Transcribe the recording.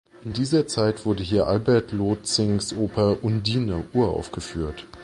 In dieser Zeit wurde hier Albert Lortzings Oper "Undine" uraufgeführt.